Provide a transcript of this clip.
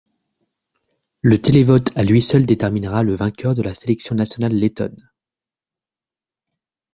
Le télévote à lui seul déterminera le vainqueur de la sélection nationale lettone.